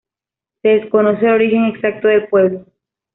Se desconoce el origen exacto del pueblo.